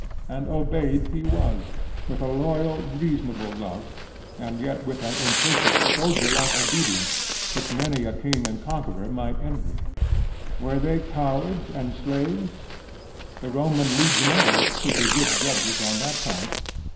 And obeyed he was, with a loyal, reasonable love, and yet with an implicit, soldier like obedience, which many a king and conqueror might envy. Were they cowards and slaves? The Roman legionaries should be good judges on that point.